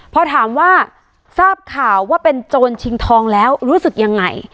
พอถามว่าทราบข่าวว่าเป็นโจรชิงทองแล้วรู้สึกยังไง